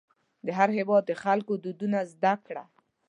د هر هېواد د خلکو دودونه زده کړه.